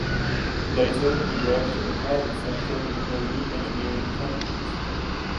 Later he worked in the private sector with marine engineering companies.